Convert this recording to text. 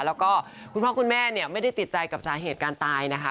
แล้วก็คุณพ่อคุณแม่เนี่ยไม่ได้ติดใจกับสาเหตุการณ์ตายนะคะ